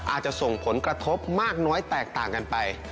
อาจจะส่งผลกระทบมากน้อยแตกต่างกันไป